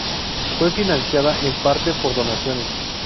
Fue financiada en parte por donaciones.